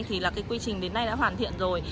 thì là cái quy trình đến nay đã hoàn thiện rồi